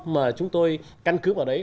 mà chúng tôi căn cứ vào đấy